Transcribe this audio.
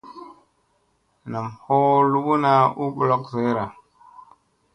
Nam ɦoɦ luɓuna u ɓolok zoyrn.